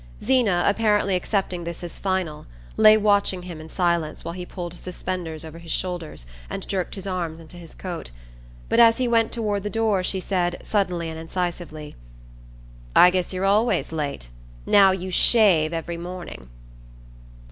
Zeena, apparently accepting this as final, lay watching him in silence while he pulled his suspenders over his shoulders and jerked his arms into his coat; but as he went toward the door she said, suddenly and incisively: "I guess you're always late, now you shave every morning."